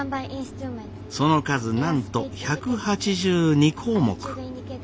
その数なんと１８２項目。